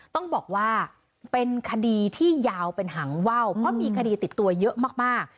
ต้องบอกว่าเป็นคดีที่ยาวเป็นหางว่าวเพราะมีคดีติดตัวเยอะมาก